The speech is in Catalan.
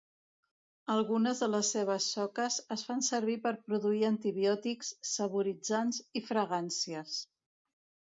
Algunes de les seves soques es fan servir per produir antibiòtics, saboritzants i fragàncies.